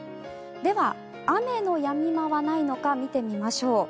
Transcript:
では、雨のやみ間はないのか見てみましょう。